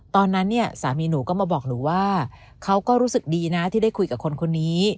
ตอนนั้นเนี่ยสามีหนูก็มาบอกหนูว่าเขาก็รู้สึกดีนะที่ได้คุยกับคนคนนี้